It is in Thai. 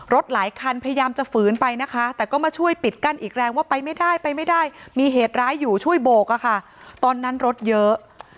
หลายคันพยายามจะฝืนไปนะคะแต่ก็มาช่วยปิดกั้นอีกแรงว่าไปไม่ได้ไปไม่ได้มีเหตุร้ายอยู่ช่วยโบกอะค่ะตอนนั้นรถเยอะ